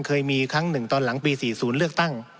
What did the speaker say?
เคยมีครั้งหนึ่งตอนหลังปี๔๐เลือกตั้ง